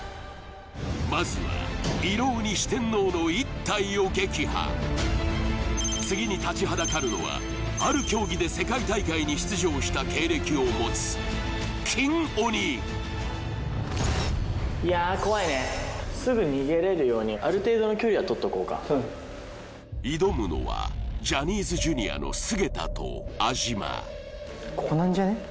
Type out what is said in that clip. まずは色鬼四天王の１体を撃破次に立ちはだかるのはある競技で世界大会に出場した経歴を持つ金鬼・いやあ怖いね・すぐ逃げれるようにある程度の距離はとっとこうか挑むのはジャニーズＪｒ．の菅田と安嶋ここなんじゃね？